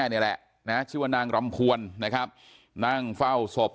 ที่เกิดเกิดเหตุอยู่หมู่๖บ้านน้ำผู้ตะมนต์ทุ่งโพนะครับที่เกิดเกิดเหตุอยู่หมู่๖บ้านน้ำผู้ตะมนต์ทุ่งโพนะครับ